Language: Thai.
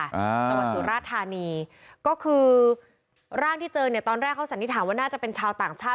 จังหวัดสุราธานีก็คือร่างที่เจอเนี่ยตอนแรกเขาสันนิษฐานว่าน่าจะเป็นชาวต่างชาติ